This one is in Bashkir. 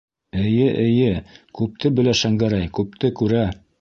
Эйе, эйе, күпте белә Шәңгәрәй, күпте күрә.